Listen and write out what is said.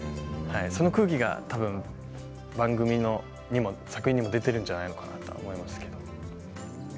その空気がたぶん番組にも作品にも出ているんじゃないかなと思いますけれども。